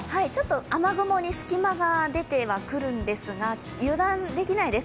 雨雲に隙間が出てはくるんですが、油断できないです。